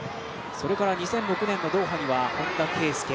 それから２００６年のドーハには本田圭佑。